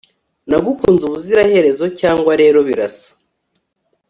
Nagukunze ubuziraherezo cyangwa rero birasa